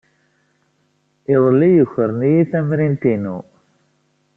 Iḍelli, ukren-iyi tamrint-inu.